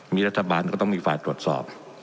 มีรัฐบาลก็ต้องมีฝ่ายตรวจสอบ